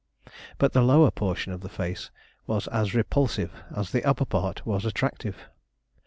But the lower portion of the face was as repulsive as the upper part was attractive.